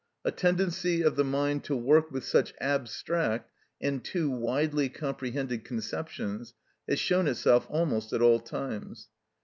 A tendency of the mind to work with such abstract and too widely comprehended conceptions has shown itself almost at all times.